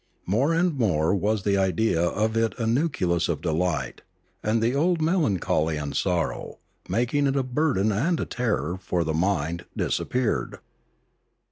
More and more was the idea of it a nucleus of delight; and the old melancholy and sorrow, making it a burden and a terror for the mind, disappeared.